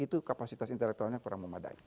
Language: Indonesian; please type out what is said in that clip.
itu kapasitas intelektualnya kurang memadai